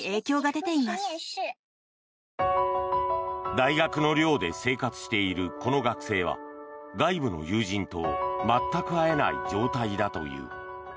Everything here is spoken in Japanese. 大学の寮で生活しているこの学生は外部の友人と全く会えない状態だという。